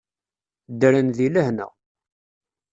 Ddren deg lehna.